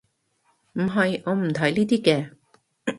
唔係，我唔睇呢啲嘅